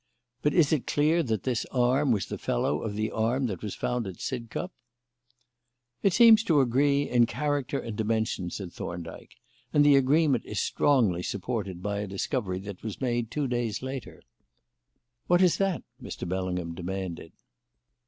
But is it clear that this arm was the fellow of the arm that was found at Sidcup?" "It seems to agree in character and dimensions," said Thorndyke, "and the agreement is strongly supported by a discovery that was made two days later." "What is that?" Mr. Bellingham demanded.